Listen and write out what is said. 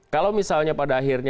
kalau misalnya pada akhirnya